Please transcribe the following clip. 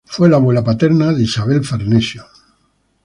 Fue la abuela paterna de Isabel Farnesio.